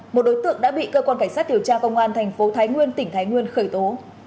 một đối tượng đã bị cơ quan cảnh sát điều tra công an thành phố thái nguyên tỉnh thái nguyên khởi tố